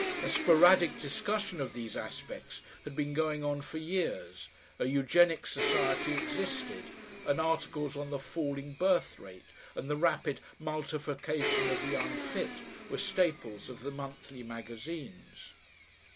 A sporadic discussion of these aspects had been going on for years, a Eugenic society existed, and articles on the Falling Birth Rate, and the Rapid Multiplication of the Unfit were staples of the monthly magazines.